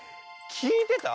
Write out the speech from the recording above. きいてた？